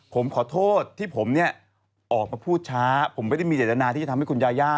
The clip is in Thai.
ผมขอโทษที่ผมเนี่ยออกมาพูดช้าผมไม่ได้มีเจตนาที่จะทำให้คุณยาย่า